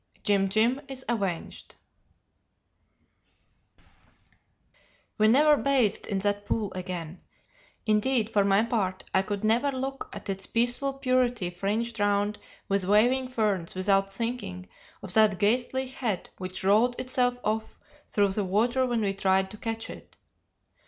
JIM JIM IS AVENGED "We never bathed in that pool again; indeed for my part I could never look at its peaceful purity fringed round with waving ferns without thinking of that ghastly head which rolled itself off through the water when we tried to catch it.